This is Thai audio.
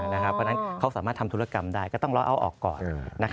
เพราะฉะนั้นเขาสามารถทำธุรกรรมได้ก็ต้องรอเอาท์ออกก่อน